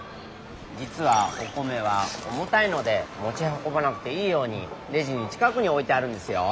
じつはお米は重たいのでもちはこばなくていいようにレジの近くにおいてあるんですよ。